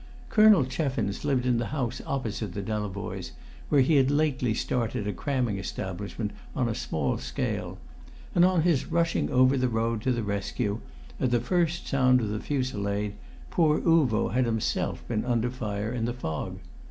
Colonel Cheffins lived in the house opposite the Delavoyes', where he had lately started a cramming establishment on a small scale; and on his rushing over the road to the rescue, at the first sound of the fusillade, poor Uvo had himself been under fire in the fog.